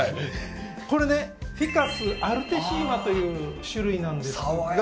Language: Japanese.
これね「フィカス・アルティッシマ」という種類なんですが。